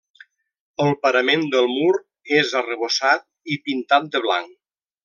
El parament del mur és arrebossat i pintat de blanc.